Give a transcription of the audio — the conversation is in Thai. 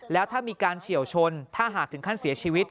แล้วถ้ามีการเฉียวชนถ้าหากถึงขั้นเสียชีวิต